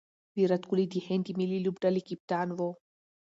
ویرات کهولي د هند د ملي لوبډلي کپتان وو.